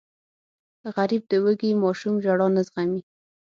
غریب د وږې ماشوم ژړا نه زغمي